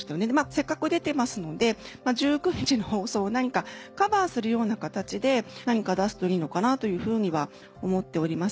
せっかく出てますので１９日の放送をカバーするような形で何か出すといいのかなというふうには思っております。